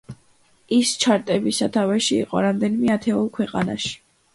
ის ჩარტების სათავეში იყო რამდენიმე ათეულ ქვეყანაში.